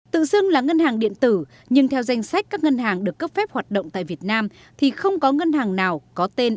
tự xưng là ngân hàng điện tử nhưng theo danh sách các ngân hàng được cấp phép hoạt động tại việt nam thì không có ngân hàng nào có tên